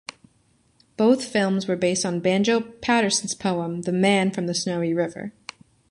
Both films were based on Banjo Paterson's poem The Man from Snowy River.